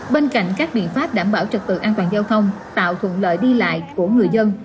bên cạnh các biện pháp đảm bảo trật tự an toàn giao thông tạo thuận lợi đi lại của người dân